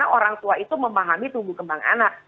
karena orang tua itu memahami tumbuh kembang anak